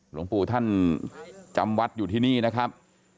หลวงปู่ท่านจำวัดอยู่ที่นี่นะครับ